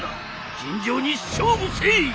尋常に勝負せい！